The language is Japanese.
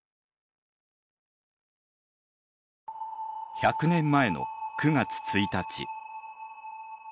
１００年前の９月１日。